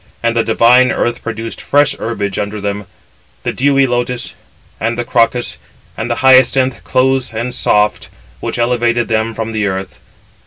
And the divine earth produced 479 fresh herbage under them, the dewy lotus, and the crocus, and the hyacinth, close and soft, which elevated them from the earth.